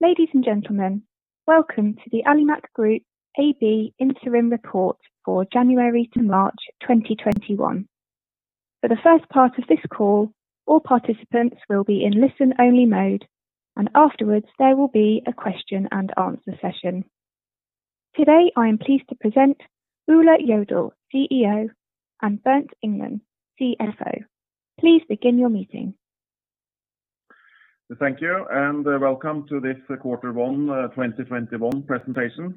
Ladies and gentlemen, welcome to the Alimak Group AB Interim Report for January to March 2021. For the first part of this call, all participants will be in listen-only mode, and afterwards, there will be a question and answer session. Today, I am pleased to present Ole Kristian Jødahl, Chief Executive Officer, and Bernt Ingman, Chief Financial Officer. Please begin your meeting. Thank you. Welcome to this Quarter one 2021 presentation.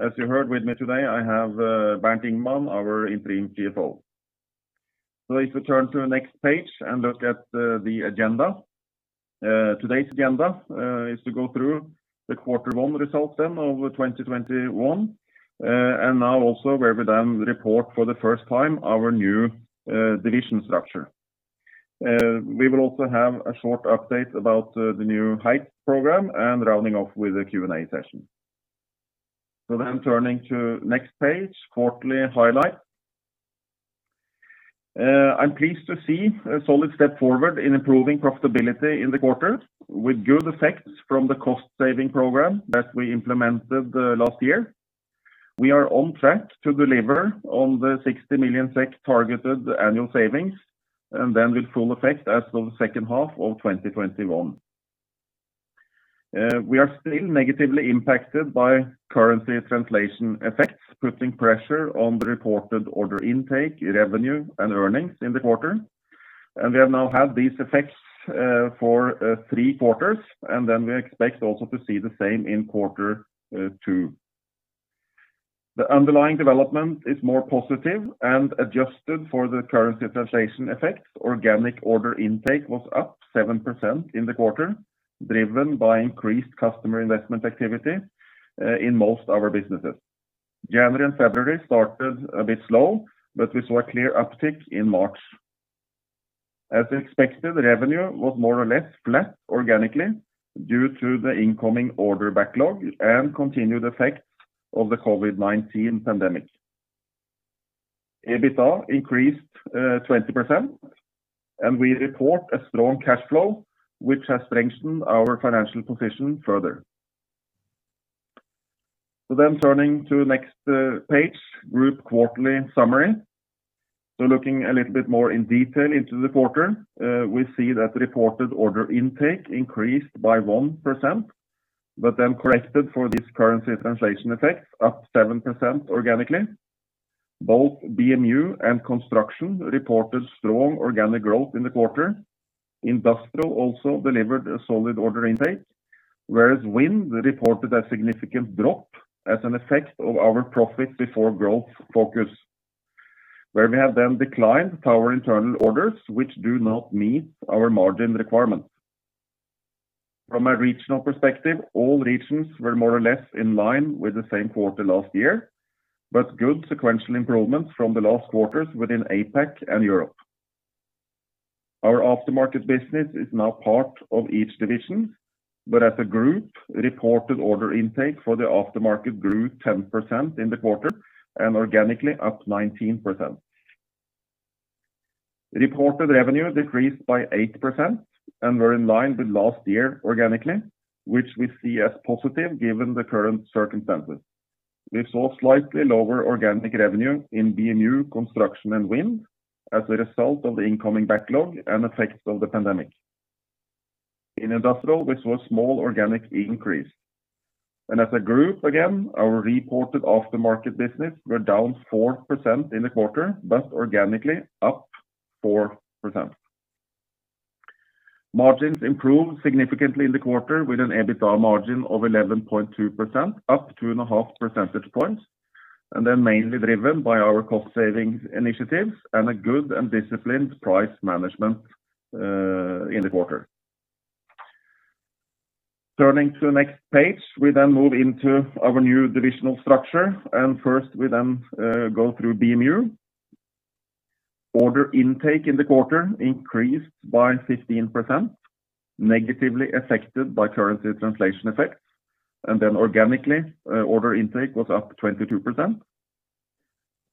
As you heard, with me today, I have Bernt Ingman, our Interim Chief Financial Officer. Please turn to the next page and look at the agenda. Today's agenda is to go through the Quarter one results of 2021, and now also where we then report for the first time our new division structure. We will also have a short update about the New Heights programme and rounding off with a Q&A session. Turning to next page, quarterly highlights. I'm pleased to see a solid step forward in improving profitability in the quarter with good effects from the cost-saving program that we implemented last year. We are on track to deliver on the 60 million SEK targeted annual savings, and then with full effect as of the second half of 2021. We are still negatively impacted by currency translation effects, putting pressure on the reported order intake, revenue, and earnings in the quarter. We have now had these effects for three quarters, we expect also to see the same in Quarter two. The underlying development is more positive and adjusted for the currency translation effects. Organic order intake was up 7% in the quarter, driven by increased customer investment activity in most of our businesses. January and February started a bit slow, we saw a clear uptick in March. As expected, revenue was more or less flat organically due to the incoming order backlog and continued effects of the COVID-19 pandemic. EBITDA increased 20%, we report a strong cash flow, which has strengthened our financial position further. Turning to next page, group quarterly summary. Looking a little bit more in detail into the quarter, we see that reported order intake increased by 1%, corrected for this currency translation effect, up 7% organically. Both BMU and Construction reported strong organic growth in the quarter. Industrial also delivered a solid order intake, whereas Wind reported a significant drop as an effect of our profit before growth focus, where we have then declined our internal orders, which do not meet our margin requirements. From a regional perspective, all regions were more or less in line with the same quarter last year, good sequential improvements from the last quarters within APAC and Europe. Our aftermarket business is now part of each division, as a group, reported order intake for the aftermarket grew 10% in the quarter and organically up 19%. Reported revenue decreased by 8% and were in line with last year organically, which we see as positive given the current circumstances. We saw slightly lower organic revenue in BMU, Construction, and Wind as a result of the incoming backlog and effects of the pandemic. In Industrial, we saw a small organic increase. As a group, again, our reported aftermarket business were down 4% in the quarter, but organically up 4%. Margins improved significantly in the quarter with an EBITDA margin of 11.2%, up 2.5 percentage points, mainly driven by our cost-savings initiatives and a good and disciplined price management in the quarter. Turning to the next page, we then move into our new divisional structure, first, we then go through BMU. Order intake in the quarter increased by 15%, negatively affected by currency translation effects, and then organically, order intake was up 22%.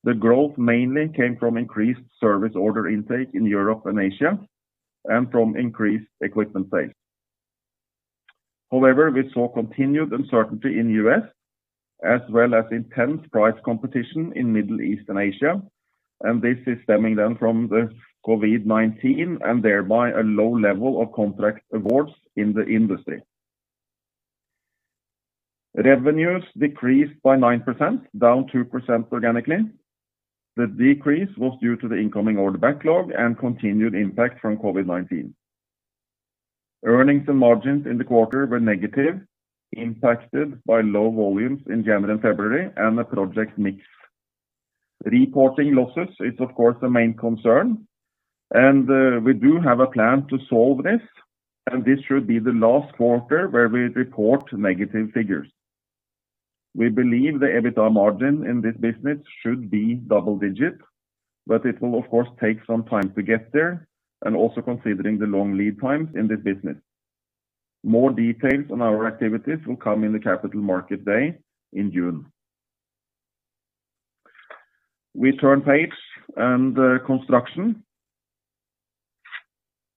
The growth mainly came from increased service order intake in Europe and Asia and from increased equipment sales. However, we saw continued uncertainty in U.S. as well as intense price competition in Middle East and Asia, and this is stemming then from the COVID-19 and thereby a low level of contract awards in the industry. Revenues decreased by 9%, down 2% organically. The decrease was due to the incoming order backlog and continued impact from COVID-19. Earnings and margins in the quarter were negative, impacted by low volumes in January and February and the project mix. Reporting losses is, of course, a main concern, and we do have a plan to solve this, and this should be the last quarter where we report negative figures. We believe the EBITDA margin in this business should be double digits, but it will of course take some time to get there and also considering the long lead times in this business. More details on our activities will come in the Capital Markets Day in June. We turn page and Construction.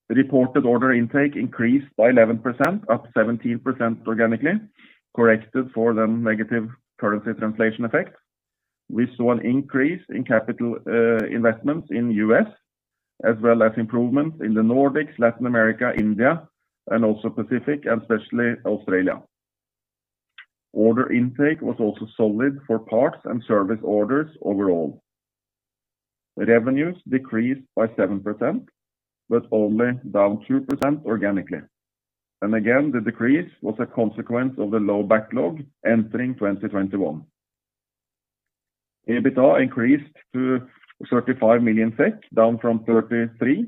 The reported order intake increased by 11%, up 17% organically, corrected for the negative currency translation effect. We saw an increase in capital investments in U.S. as well as improvement in the Nordics, Latin America, India, and also Pacific, and especially Australia. Order intake was also solid for parts and service orders overall. Revenues decreased by 7%, but only down 2% organically. Again, the decrease was a consequence of the low backlog entering 2021. EBITDA increased to 35 million SEK, up from 33,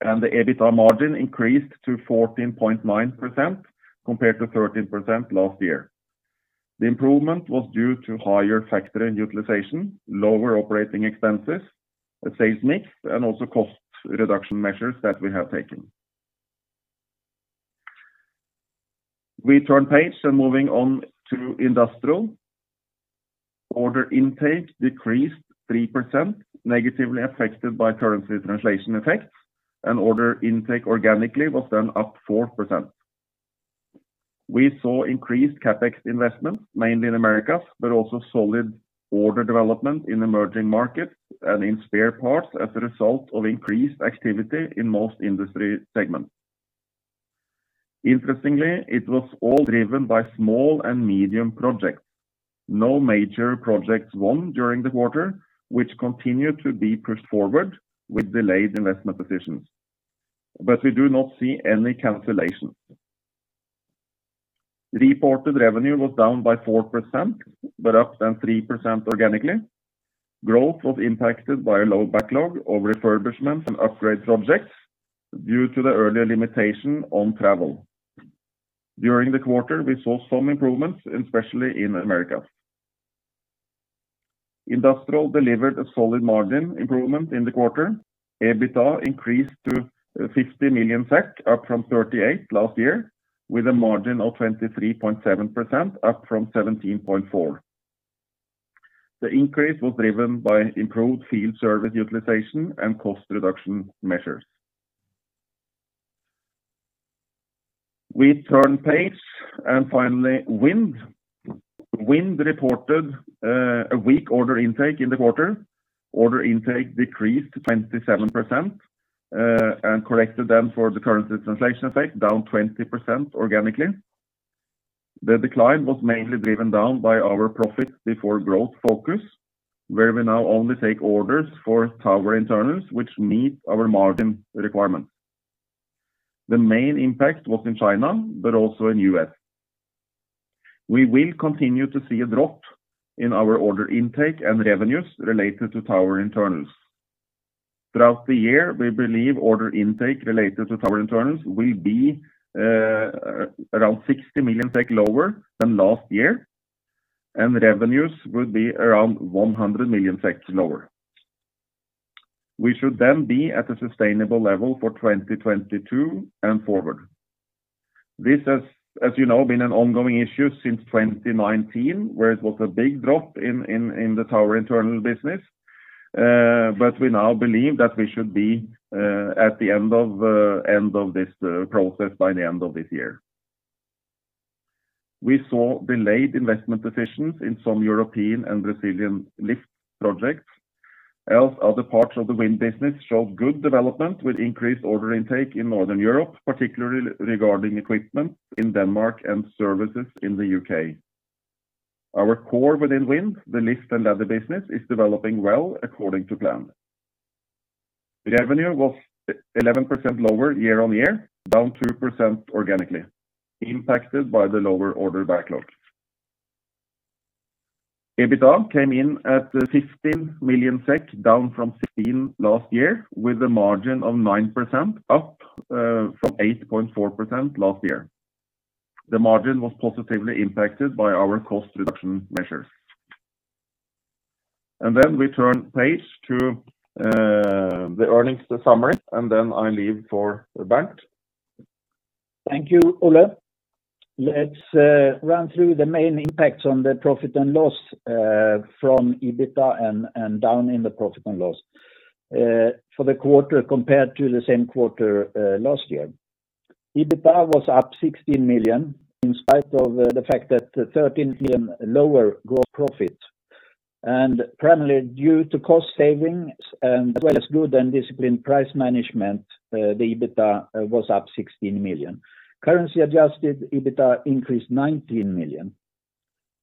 and the EBITDA margin increased to 14.9% compared to 13% last year. The improvement was due to higher factory utilization, lower operating expenses, the sales mix, and also cost reduction measures that we have taken. We turn page and moving on to Industrial. Order intake decreased 3%, negatively affected by currency translation effects, and order intake organically was then up 4%. We saw increased CapEx investment, mainly in Americas, but also solid order development in emerging markets and in spare parts as a result of increased activity in most industry segments. Interestingly, it was all driven by small and medium projects. No major projects won during the quarter, which continued to be pushed forward with delayed investment decisions. We do not see any cancellations. Reported revenue was down by 4%, but up then 3% organically. Growth was impacted by a low backlog of refurbishment and upgrade projects due to the earlier limitation on travel. During the quarter, we saw some improvements, especially in America. Industrial delivered a solid margin improvement in the quarter. EBITDA increased to 50 million SEK, up from 38 last year, with a margin of 23.7%, up from 17.4%. The increase was driven by improved field service utilization and cost reduction measures. We turn page. Finally, Wind. Wind reported a weak order intake in the quarter. Order intake decreased to 27% and corrected then for the currency translation effect, down 20% organically. The decline was mainly driven down by our profit before growth focus, where we now only take orders for tower internals which meet our margin requirements. The main impact was in China but also in the U.S. We will continue to see a drop in our order intake and revenues related to tower internals. Throughout the year, we believe order intake related to tower internals will be around 60 million lower than last year, and revenues will be around 100 million lower. We should then be at a sustainable level for 2022 and forward. This has, as you know, been an ongoing issue since 2019, where it was a big drop in the tower internal business. We now believe that we should be at the end of this process by the end of this year. We saw delayed investment decisions in some European and Brazilian lift projects. Other parts of the Wind business showed good development with increased order intake in Northern Europe, particularly regarding equipment in Denmark and services in the U.K. Our core within Wind, the lift and ladder business, is developing well according to plan. Revenue was 11% lower year-on-year, down 2% organically, impacted by the lower order backlog. EBITDA came in at 15 million SEK, down from 16 million last year, with a margin of 9%, up from 8.4% last year. The margin was positively impacted by our cost reduction measures. We turn page to the earnings summary, and then I leave for Bernt Ingman. Thank you, Ole. Let's run through the main impacts on the profit and loss from EBITDA and down in the profit and loss. For the quarter compared to the same quarter last year, EBITDA was up 16 million, in spite of the fact that 13 million lower gross profit. Primarily due to cost savings as well as good and disciplined price management, the EBITDA was up 16 million. Currency-adjusted EBITDA increased 19 million.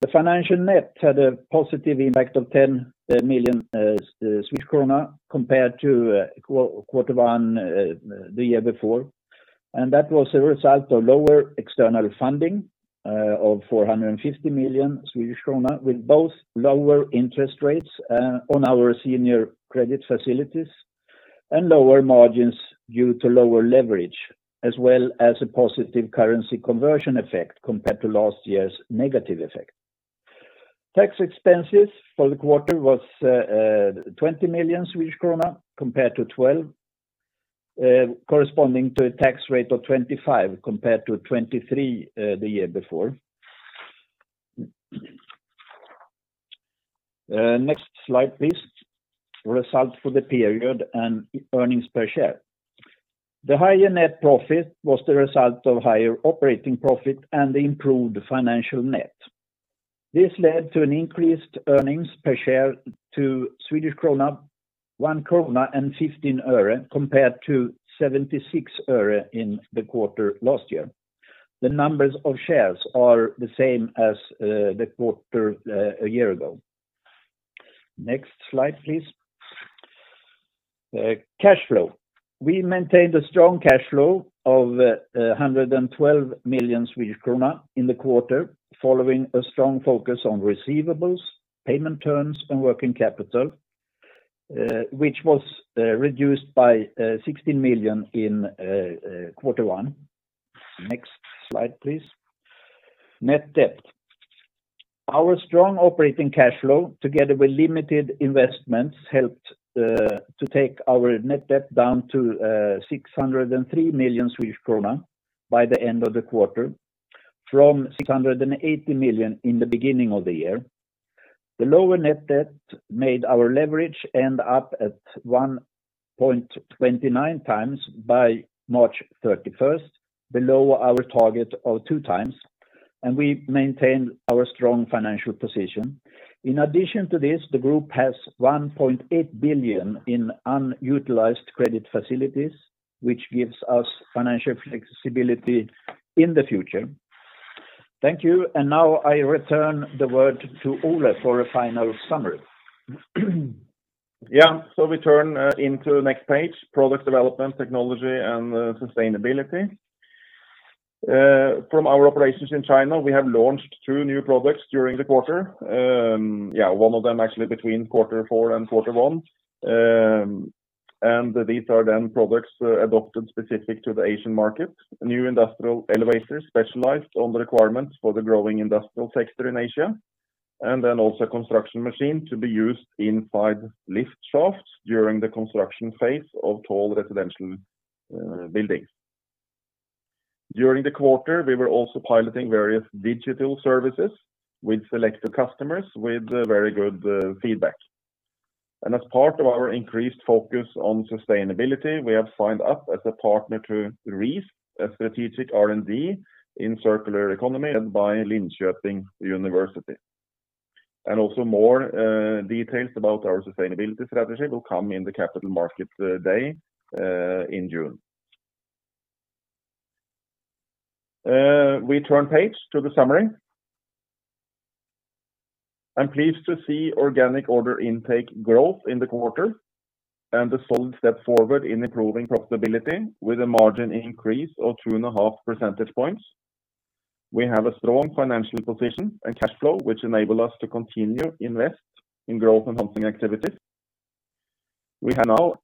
The financial net had a positive impact of 10 million krona compared to Q1 the year before. That was a result of lower external funding of 450 million Swedish krona, with both lower interest rates on our senior credit facilities and lower margins due to lower leverage, as well as a positive currency conversion effect compared to last year's negative effect. Tax expenses for the quarter was 20 million Swedish krona compared to 12 million. Corresponding to a tax rate of 25% compared to 23% the year before. Next slide, please. Results for the period and earnings per share. The higher net profit was the result of higher operating profit and improved financial net. This led to an increased earnings per share to SEK 1.15 compared to SEK 0.76 in the quarter last year. The numbers of shares are the same as the quarter a year ago. Next slide, please. Cash flow. We maintained a strong cash flow of 112 million Swedish krona in the quarter, following a strong focus on receivables, payment terms and working capital, which was reduced by 16 million in quarter one. Next slide, please. Net debt. Our strong operating cash flow together with limited investments, helped to take our net debt down to 603 million Swedish krona by the end of the quarter from 680 million in the beginning of the year. The lower net debt made our leverage end up at 1.29 times by March 31st, below our target of 2 times, and we maintained our strong financial position. In addition to this, the group has 1.8 billion in unutilized credit facilities, which gives us financial flexibility in the future. Thank you. Now I return the word to Ole for a final summary. We turn into the next page, product development, technology and sustainability. From our operations in China, we have launched two new products during the quarter. One of them actually between quarter four and quarter one. These are products adopted specific to the Asian market. A new industrial elevator specialized on the requirements for the growing industrial sector in Asia, also a construction machine to be used inside lift shafts during the construction phase of tall residential buildings. During the quarter, we were also piloting various digital services with selected customers with very good feedback. As part of our increased focus on sustainability, we have signed up as a partner to REES, a strategic R&D in circular economy led by Linköping University. Also more details about our sustainability strategy will come in the Capital Markets Day in June. We turn page to the summary. I'm pleased to see organic order intake growth in the quarter and a solid step forward in improving profitability with a margin increase of 2.5 percentage points. We have a strong financial position and cash flow, which enable us to continue invest in growth and hunting activities. We have now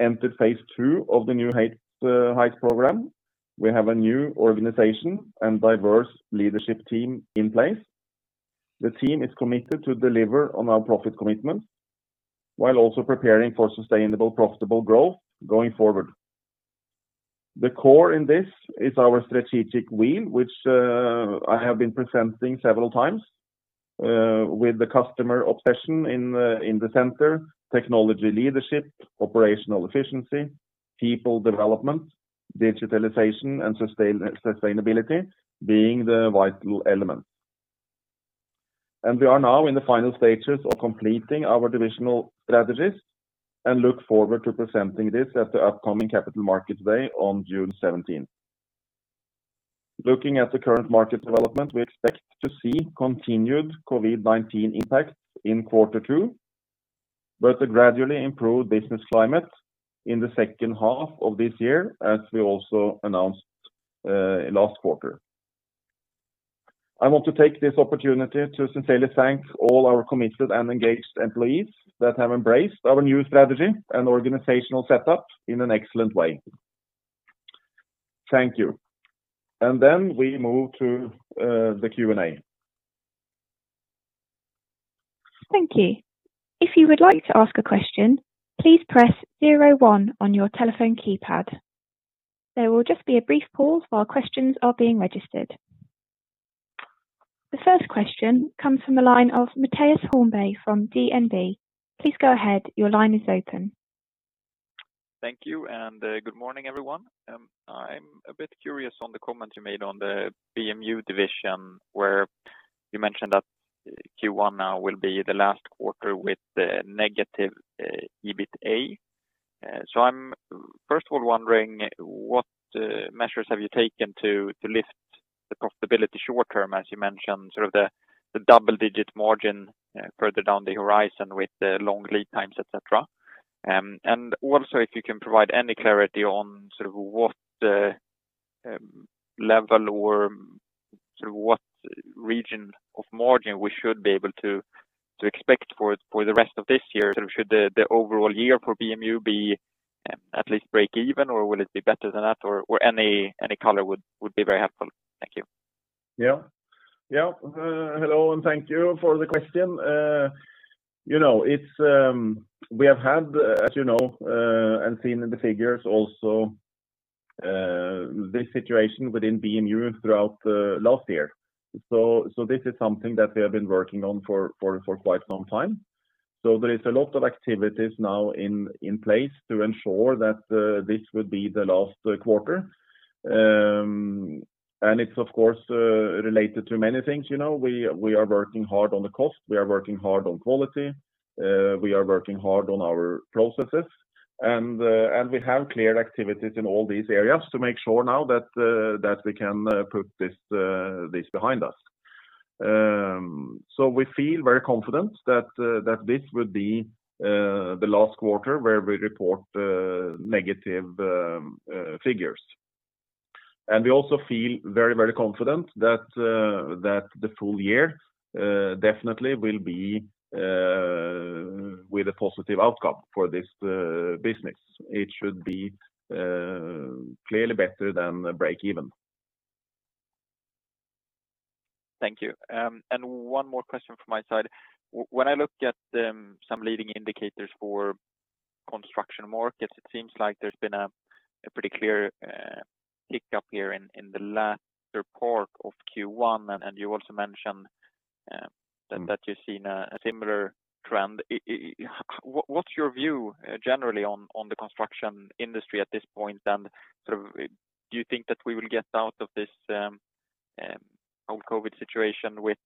entered phase II of the New Heights programme. We have a new organization and diverse leadership team in place. The team is committed to deliver on our profit commitments while also preparing for sustainable profitable growth going forward. The core in this is our strategic wheel, which I have been presenting several times, with the customer obsession in the center, technology leadership, operational efficiency, people development, digitalization, and sustainability being the vital elements. We are now in the final stages of completing our divisional strategies and look forward to presenting this at the upcoming Capital Markets Day on June 17th. Looking at the current market development, we expect to see continued COVID-19 impacts in quarter two, but a gradually improved business climate in the second half of this year, as we also announced last quarter. I want to take this opportunity to sincerely thank all our committed and engaged employees that have embraced our new strategy and organizational setup in an excellent way. Thank you. We move to the Q&A. Thank you. If you would like to ask a question, please press zero one on your telephone keypad. There will just be a brief pause while questions are being registered. The first question comes from the line of Mattias Holmberg from DNB Carnegie. Please go ahead. Your line is open. Thank you. Good morning, everyone. I'm a bit curious on the comment you made on the BMU division where you mentioned that Q1 now will be the last quarter with negative EBITA. I'm first of all wondering what measures have you taken to lift the profitability short term, as you mentioned, sort of the double-digit margin further down the horizon with the long lead times, et cetera. Also if you can provide any clarity on sort of what level or sort of what region of margin we should be able to expect for the rest of this year. Should the overall year for BMU be at least break even, or will it be better than that? Any color would be very helpful. Thank you. Yeah. Hello, thank you for the question. We have had, as you know, and seen in the figures also, this situation within BMU throughout last year. This is something that we have been working on for quite some time. There is a lot of activities now in place to ensure that this will be the last quarter. It's of course, related to many things. We are working hard on the cost, we are working hard on quality, we are working hard on our processes, and we have clear activities in all these areas to make sure now that we can put this behind us. We feel very confident that this will be the last quarter where we report negative figures. We also feel very confident that the full year definitely will be with a positive outcome for this business. It should be clearly better than breakeven. Thank you. One more question from my side. When I look at some leading indicators for construction markets, it seems like there's been a pretty clear tick up here in the latter part of Q1, and you also mentioned that you've seen a similar trend. What's your view generally on the construction industry at this point? Do you think that we will get out of this whole COVID-19 situation with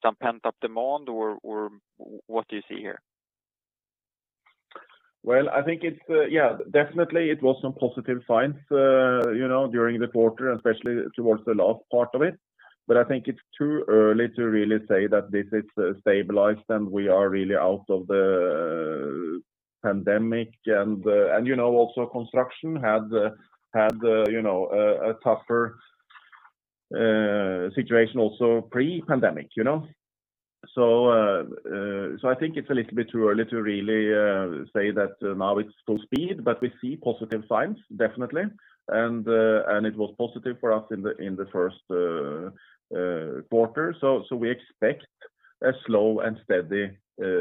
some pent-up demand, or what do you see here? Well, I think definitely it was some positive signs during the quarter, especially towards the last part of it. I think it's too early to really say that this is stabilized, and we are really out of the pandemic. Also construction had a tougher situation also pre-pandemic. I think it's a little bit too early to really say that now it's full speed, but we see positive signs definitely. It was positive for us in the first quarter, so we expect a slow and steady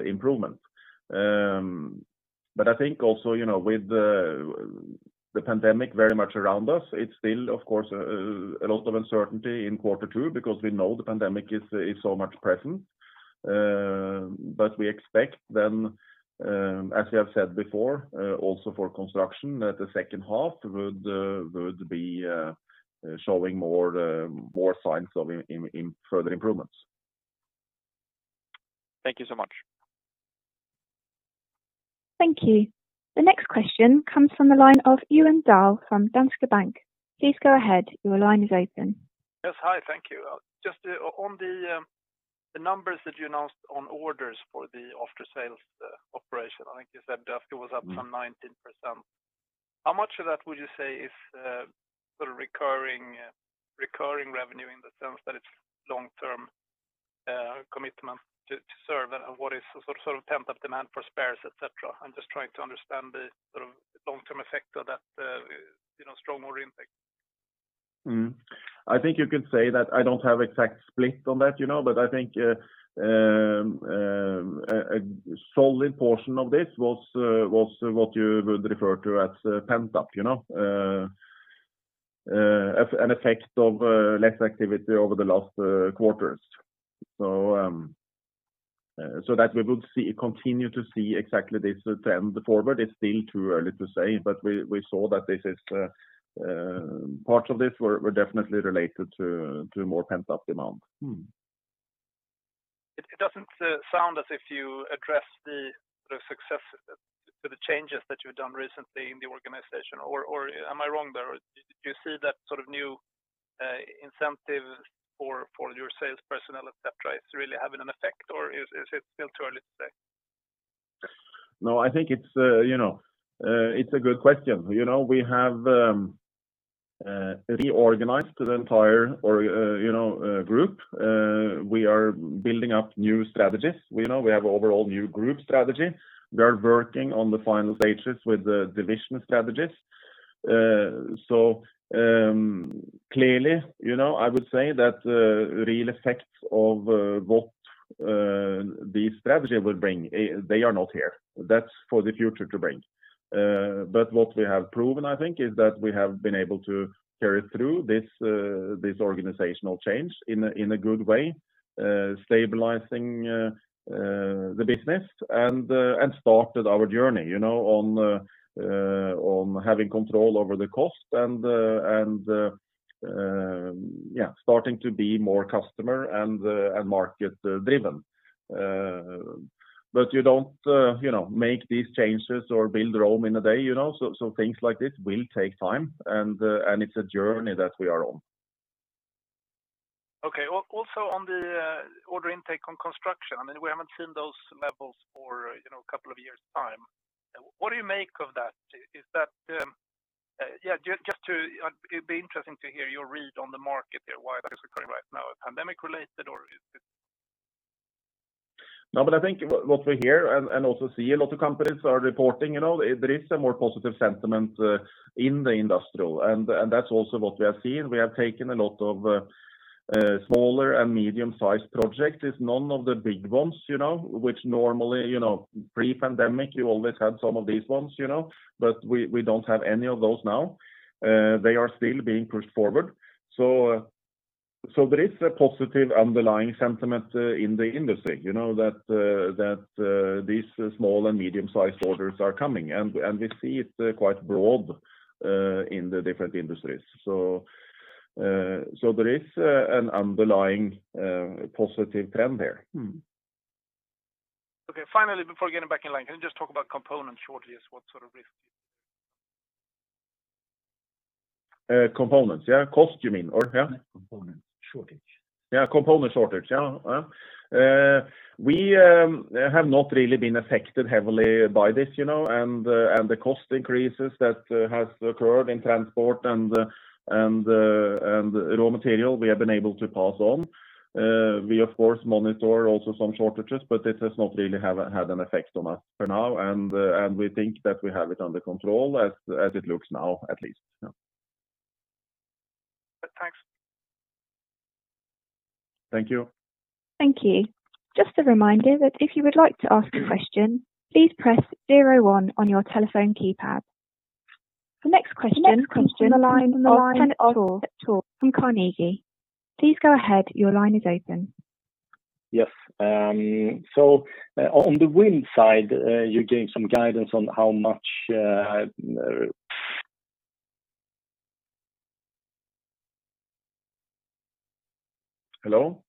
improvement. I think also, with the pandemic very much around us, it's still, of course, a lot of uncertainty in quarter two because we know the pandemic is so much present. We expect then, as we have said before, also for construction that the second half would be showing more signs of further improvements. Thank you so much. Thank you. The next question comes from the line of Johan Dahl from Danske Bank. Please go ahead. Your line is open. Yes. Hi, thank you. On the numbers that you announced on orders for the after-sales operation, I think you said that it was up some 19%. How much of that would you say is recurring revenue in the sense that it's long-term commitment to serve, and what is sort of pent-up demand for spares, et cetera? I'm just trying to understand the long-term effect of that strong order intake. I think you could say that I don't have exact split on that, but I think a solid portion of this was what you would refer to as pent-up, an effect of less activity over the last quarters. That we would continue to see exactly this trend forward, it's still too early to say, but we saw that parts of this were definitely related to more pent-up demand. It doesn't sound as if you addressed the success to the changes that you've done recently in the organization, or am I wrong there? Do you see that new incentive for your sales personnel, et cetera, is really having an effect, or is it still too early to say? No, I think it's a good question. We have reorganized the entire group. We are building up new strategies. We have overall new group strategy. We are working on the final stages with the division strategies. Clearly, I would say that real effects of what the strategy will bring, they are not here. That's for the future to bring. What we have proven, I think, is that we have been able to carry through this organizational change in a good way, stabilizing the business and started our journey on having control over the cost and starting to be more customer and market-driven. You don't make these changes or build Rome in a day, so things like this will take time, and it's a journey that we are on. Okay. Also on the order intake on construction, we haven't seen those levels for a couple of years' time. What do you make of that? It'd be interesting to hear your read on the market there, why that is occurring right now. Pandemic related? I think what we hear and also see a lot of companies are reporting, there is a more positive sentiment in the industrial, and that's also what we have seen. We have taken a lot of smaller and medium-sized projects. It's none of the big ones, which normally, pre-pandemic, you always had some of these ones. We don't have any of those now. They are still being pushed forward. There is a positive underlying sentiment in the industry, that these small and medium-sized orders are coming. We see it quite broad in the different industries. There is an underlying positive trend there. Okay. Finally, before getting back in line, can you just talk about component shortage? What sort of risk do you see? Components, yeah. Cost, you mean? Yeah. Component shortage. Component shortage. We have not really been affected heavily by this, and the cost increases that has occurred in transport and raw material we have been able to pass on. We, of course, monitor also some shortages, but this has not really had an effect on us for now. We think that we have it under control as it looks now, at least. Thanks. Thank you. Thank you. Just a reminder that if you would like to ask a question, please press zero one on your telephone keypad. The next question comes from the line of Kenneth Johansson from Carnegie. Please go ahead. Your line is open. Yes. On the Wind side, you gave some guidance on how much Hello?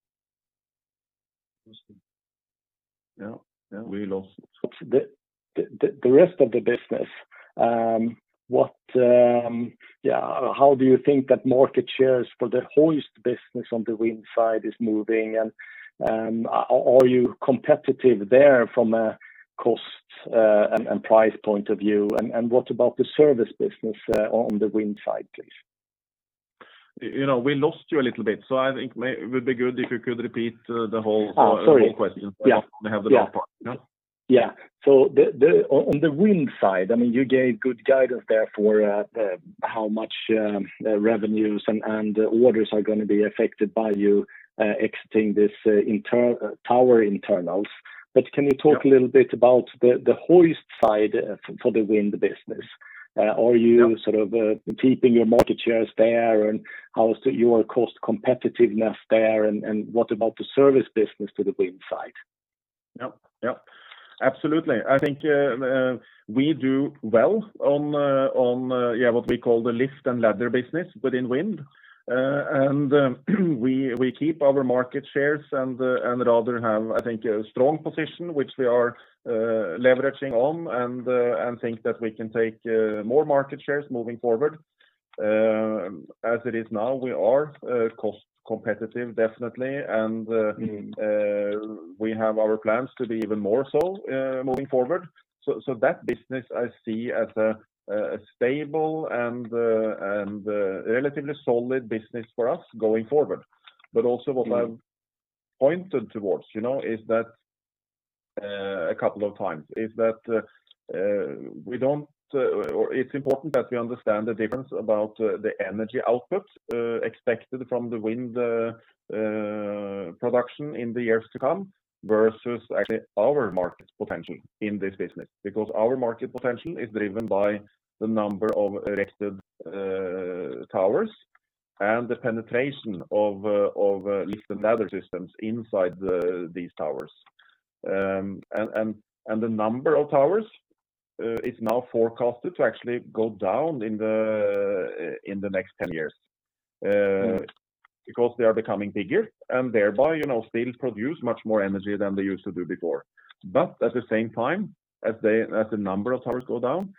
The rest of the business, how do you think that market shares for the hoist business on the wind side is moving? Are you competitive there from a cost and price point of view? What about the service business on the wind side, please? We lost you a little bit, so I think it would be good if you could repeat the whole- Oh, sorry. Question. Yeah. I have the last part now. On the wind side, you gave good guidance there for how much revenues and orders are going to be affected by you exiting this tower internals. Can you talk a little bit about the hoist side for the wind business? Yeah. Are you sort of keeping your market shares there, and how is your cost competitiveness there? What about the service business to the Wind side? Yep. Absolutely. I think we do well on what we call the Lift and Ladder business within wind. We keep our market shares and rather have, I think, a strong position which we are leveraging on and think that we can take more market shares moving forward. As it is now, we are cost competitive, definitely. We have our plans to be even more so moving forward. That business I see as a stable and relatively solid business for us going forward. Also what I've pointed towards a couple of times is that it's important that we understand the difference about the energy output expected from the wind production in the years to come versus actually our market potential in this business. Because our market potential is driven by the number of erected towers and the penetration of Lift and Ladder systems inside these towers. The number of towers is now forecasted to actually go down in the next 10 years because they are becoming bigger and thereby still produce much more energy than they used to do before. At the same time, as the number of towers go down,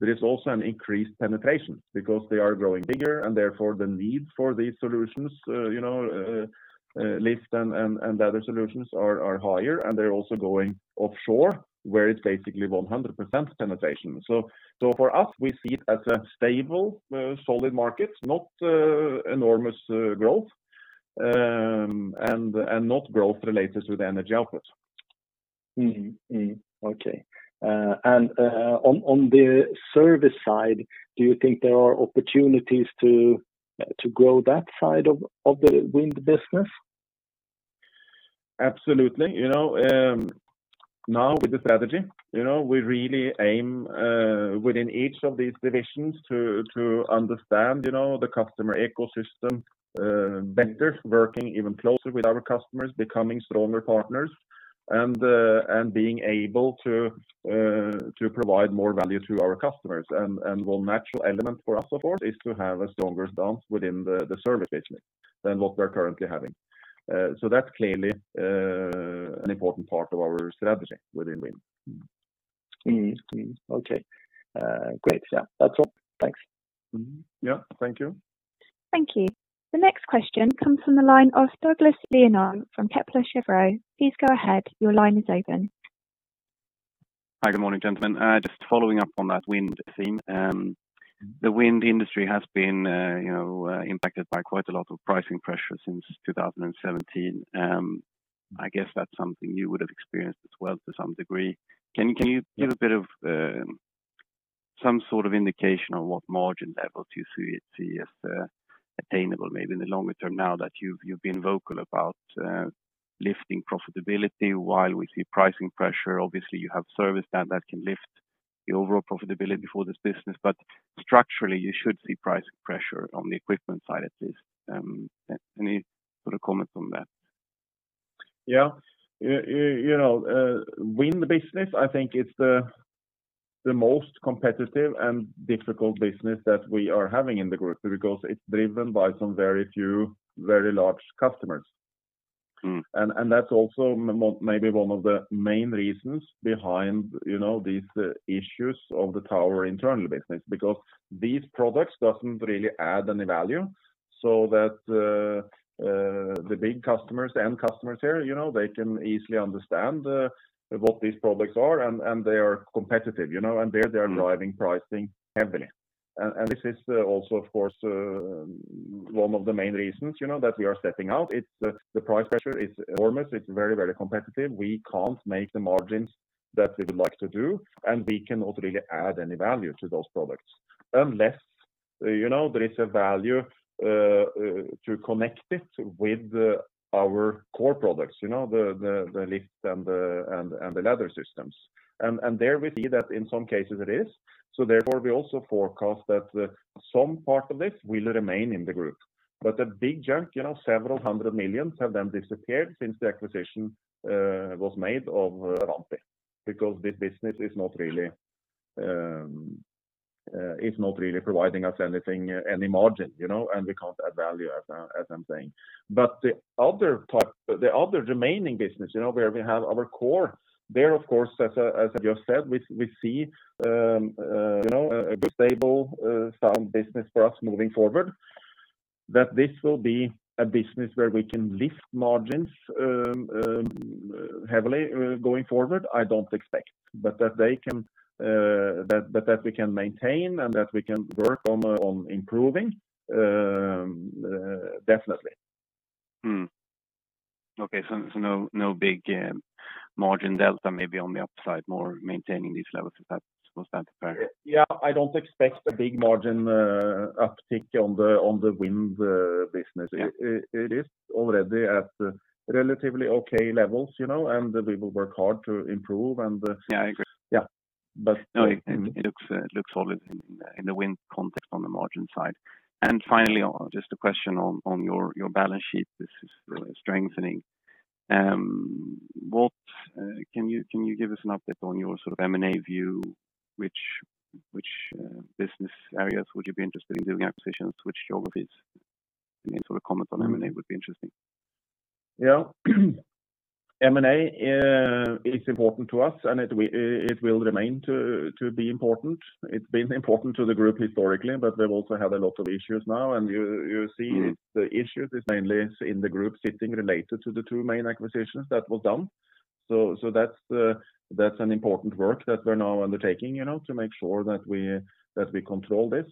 there is also an increased penetration because they are growing bigger and therefore the need for these solutions, lift and ladder solutions, are higher and they're also going offshore where it's basically 100% penetration. For us, we see it as a stable, solid market, not enormous growth, and not growth related to the energy output. Okay. On the service side, do you think there are opportunities to grow that side of the wind business? Absolutely. Now with the strategy, we really aim within each of these divisions to understand the customer ecosystem better, working even closer with our customers, becoming stronger partners and being able to provide more value to our customers. One natural element for us, of course, is to have a stronger stance within the service business than what we're currently having. That's clearly an important part of our strategy within wind. Okay. Great. That's all. Thanks. Yeah. Thank you. Thank you. The next question comes from the line of Douglas Lindahl from Kepler Cheuvreux. Please go ahead. Your line is open. Hi, good morning, gentlemen. Just following up on that wind theme. The wind industry has been impacted by quite a lot of pricing pressure since 2017. I guess that's something you would've experienced as well to some degree. Can you give a bit of some sort of indication on what margin levels you see as attainable maybe in the longer term now that you've been vocal about lifting profitability while we see pricing pressure? Obviously, you have service that can lift the overall profitability for this business, but structurally, you should see price pressure on the equipment side at least. Any sort of comment on that? Yeah. Wind business, I think it's the most competitive and difficult business that we are having in the Group because it's driven by some very few, very large customers. That's also maybe one of the main reasons behind these issues of the tower internals business, because these products doesn't really add any value, so that the big customers, the end customers there, they can easily understand what these products are, and they are competitive. There they are driving pricing heavily. This is also, of course, one of the main reasons that we are stepping out. The price pressure is enormous. It's very competitive. We can't make the margins that we would like to do, and we cannot really add any value to those products. Unless there is a value to connect it with our core products, the lift and ladder systems. There we see that in some cases it is, so therefore, we also forecast that some part of this will remain in the group. A big chunk, several hundred million have then disappeared since the acquisition was made of, because this business is not really providing us any margin, and we can't add value, as I'm saying. The other remaining business, where we have our core, there, of course, as I just said, we see a good, stable, sound business for us moving forward, that this will be a business where we can lift margins heavily going forward, I don't expect. That we can maintain and that we can work on improving, definitely. Okay, no big margin delta maybe on the upside, more maintaining these levels. Was that fair? Yeah, I don't expect a big margin uptick on the wind business. Yeah. It is already at relatively okay levels, and we will work hard to improve. Yeah, I agree. Yeah. No, it looks solid in the wind context on the margin side. Finally, just a question on your balance sheet. This is strengthening. Can you give us an update on your M&A view? Which business areas would you be interested in doing acquisitions? Which over these, any sort of comment on M&A would be interesting? M&A is important to us, and it will remain to be important. It's been important to the Group historically, but we've also had a lot of issues now, and you see the issues is mainly in the Group sitting related to the two main acquisitions that was done. That's an important work that we're now undertaking, to make sure that we control this.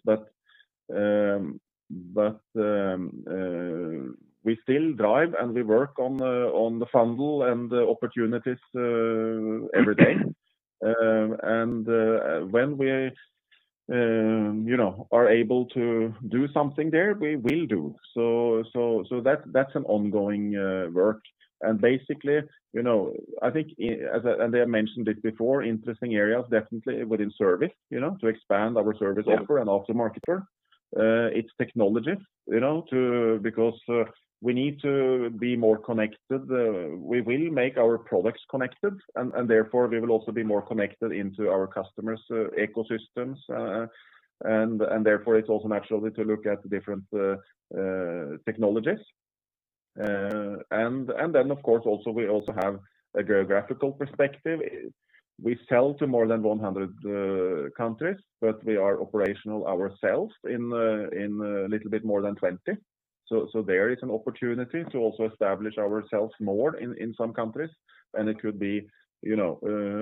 We still drive and we work on the funnel and the opportunities every day. When we are able to do something there, we will do. That's an ongoing work. Basically, I think, and I mentioned it before, interesting areas definitely within service, to expand our service offer and aftermarket offer. It's technologies, because we need to be more connected. We will make our products connected, and therefore we will also be more connected into our customers' ecosystems. Therefore, it's also naturally to look at different technologies. Of course, we also have a geographical perspective. We sell to more than 100 countries, but we are operational ourselves in a little bit more than 20. There is an opportunity to also establish ourselves more in some countries, and it could be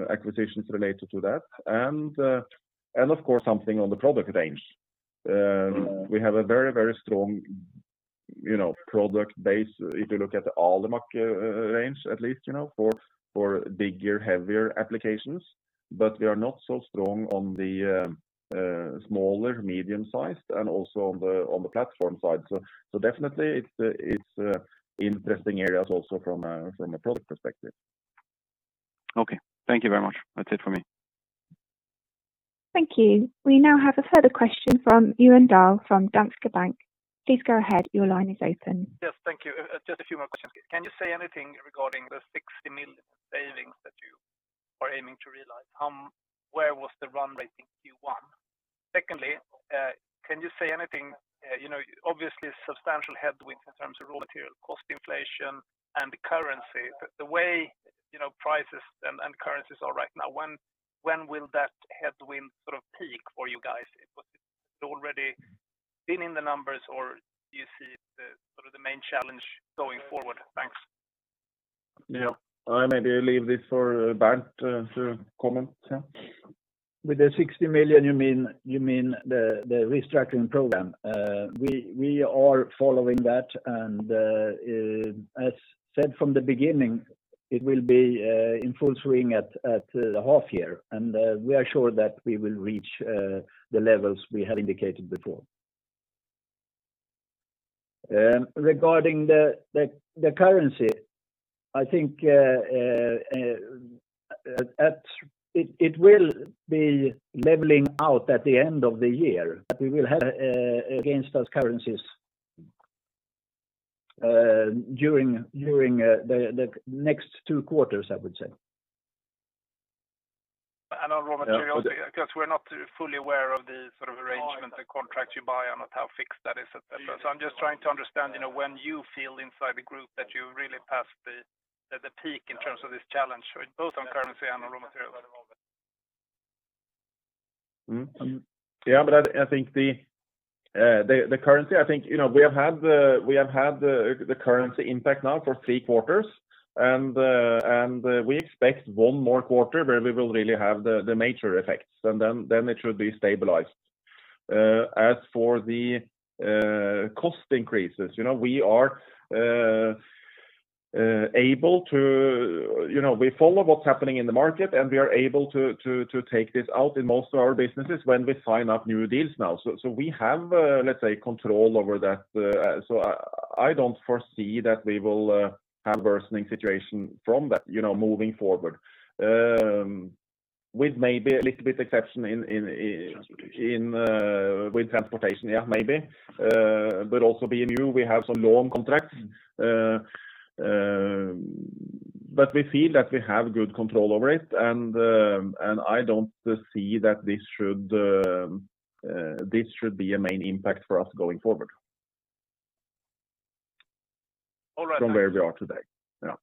acquisitions related to that. Of course, something on the product range. We have a very strong product base, if you look at the Alimak range, at least, for bigger, heavier applications. We are not so strong on the smaller, medium-sized, and also on the platform side. Definitely it's interesting areas also from a product perspective. Okay. Thank you very much. That's it from me. Thank you. We now have a further question from Johan Dahl from Danske Bank. Please go ahead. Your line is open. Yes, thank you. Just a few more questions. Can you say anything regarding the 60 million savings that you are aiming to realize? Where was the run rate in Q1? Secondly, can you say anything, obviously a substantial headwind in terms of raw material cost inflation and currency. The way prices and currencies are right now, when will that headwind sort of peak for you guys? Has it already been in the numbers, or do you see-main challenge going forward? Thanks. Yeah. I maybe leave this for Bernt to comment. With the 60 million, you mean the restructuring program? We are following that and as said from the beginning, it will be in full swing at the half year, and we are sure that we will reach the levels we have indicated before. Regarding the currency, I think it will be leveling out at the end of the year, but we will have against those currencies during the next two quarters, I would say. On raw materials, because we're not fully aware of the sort of arrangement and contracts you buy and how fixed that is. I'm just trying to understand when you feel inside the group that you really passed the peak in terms of this challenge, both on currency and on raw materials at the moment. I think the currency, I think we have had the currency impact now for three quarters, and we expect one more quarter where we will really have the major effects, and then it should be stabilized. As for the cost increases, we follow what's happening in the market, and we are able to take this out in most of our businesses when we sign up new deals now. We have, let's say, control over that. I don't foresee that we will have worsening situation from that moving forward. With maybe a little bit exception with transportation, yeah, maybe. Also BMU, we have some long contracts. We feel that we have good control over it, and I don't see that this should be a main impact for us going forward. All right. Thanks. From where we are today. Yeah.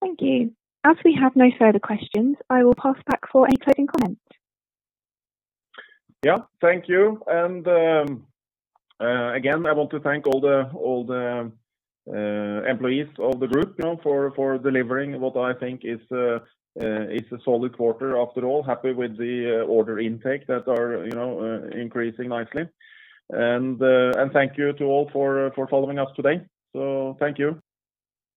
Thank you. As we have no further questions, I will pass back for any closing comments. Yeah. Thank you. Again, I want to thank all the employees of the group for delivering what I think is a solid quarter after all. Happy with the order intake that are increasing nicely. Thank you to all for following us today. Thank you.